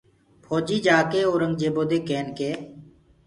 ڦوجيٚ جآڪي اورنٚگجيبو ڪين ڪي